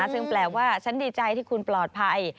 ซึ่งแปลว่าฉันดีใจที่คุณปลอดภัย